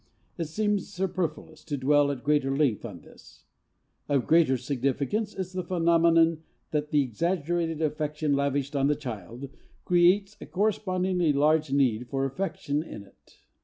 It seems superfluous to dwell at greater length on this. Of greater significance is the phenomenon that the exaggerated affection lavished on the child creates a correspondingly large need for affection in it.